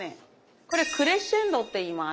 これクレッシェンドって言います。